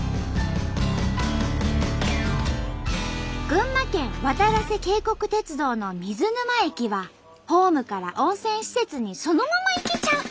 群馬県わたらせ渓谷鉄道の水沼駅はホームから温泉施設にそのまま行けちゃう！